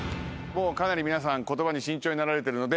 かなり皆さん言葉に慎重になられてるので。